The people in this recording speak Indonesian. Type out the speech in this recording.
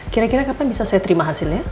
kira kira kapan bisa saya terima hasilnya